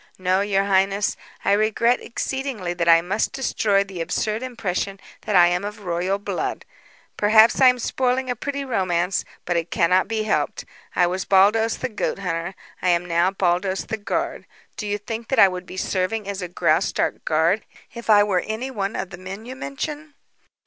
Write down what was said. No, your highness, I regret exceedingly that I must destroy the absurd impression that I am of royal blood. Perhaps I am spoiling a pretty romance, but it cannot be helped. I was Baldos, the goat hunter; I am now Baldos, the guard. Do you think that I would be serving as a Graustark guard if I were any one of the men you mention?"